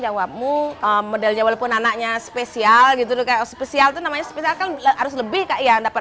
jawabmu medan jawab pun anaknya spesial gitu ke spesial namanya spesial harus lebih kak ya dapat